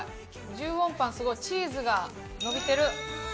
１０ウォンパンすごいチーズがのびてる。